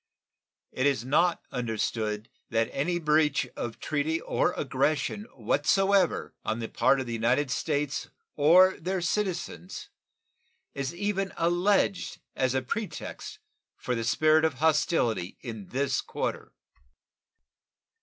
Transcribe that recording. It is not understood that any breach of treaty or aggression whatsoever on the part of the United States or their citizens is even alleged as a pretext for the spirit of hostility in this quarter.